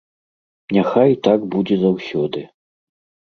Няхай так будзе заўсёды.